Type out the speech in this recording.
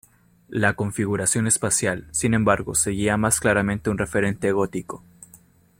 La configuración espacial, sin embargo, seguía más claramente un referente gótico.